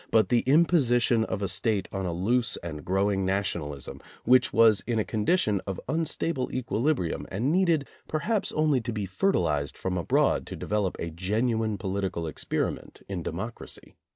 but the imposition of a State on a loose and growing nationalism, which was in a condition of unstable equilibrium and needed perhaps only to be fertilized from abroad to develop a genuine political experiment in democracy.